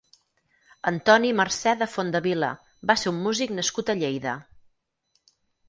Antoni Mercè de Fondevila va ser un músic nascut a Lleida.